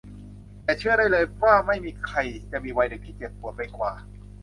แต่เชื่อได้เลยว่าไม่มีใครจะมีวัยเด็กที่เจ็บปวดไปกว่า